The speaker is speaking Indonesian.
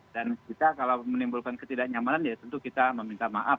dan kita kalau menimbulkan ketidaknyamanan ya tentu kita meminta maaf